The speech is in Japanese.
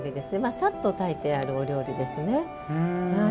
さっと炊いてある、お料理です。